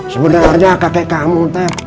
sebenarnya kakek kamu teh